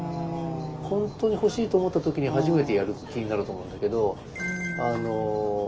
本当に欲しいと思った時に初めてやる気になると思うんだけど。